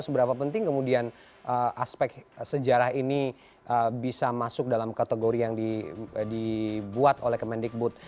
seberapa penting kemudian aspek sejarah ini bisa masuk dalam kategori yang dibuat oleh kemendikbud